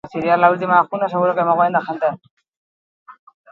Aintzirara isurtzen den ur geza erabat hutsala da.